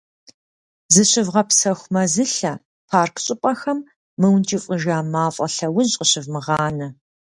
Зыщывгъэпсэху мэзылъэ, парк щӀыпӀэхэм мыункӀыфӀыжа мафӀэ лъэужь къыщывмыгъанэ.